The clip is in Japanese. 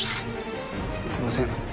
すいません。